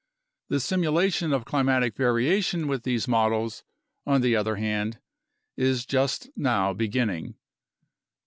The simulation of climatic variation with these models, on the other hand, is just now beginning.